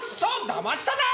だましたな！